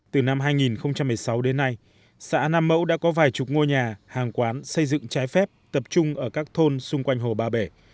từ năm hai nghìn một mươi sáu đến nay xã nam mẫu đã có vài chục ngôi nhà hàng quán xây dựng trái phép tập trung ở các thôn xung quanh hồ ba bể